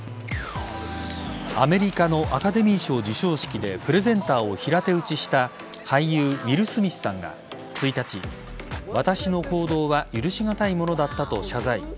アメリカのアカデミー賞授賞式でプレゼンターを平手打ちした俳優ウィル・スミスさんが１日、私の行動は許し難いものだったと謝罪。